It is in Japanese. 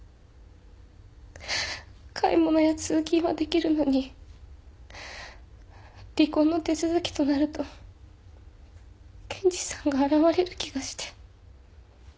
買い物や通勤はできるのに離婚の手続きとなると賢治さんが現れる気がして。